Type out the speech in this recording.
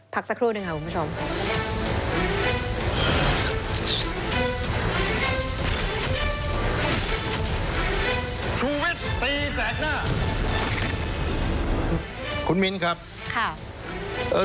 พักสักครู่หนึ่งครับคุณผู้ชม